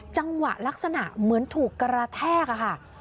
จังหวะลักษณะเหมือนถูกกระแทกค่ะ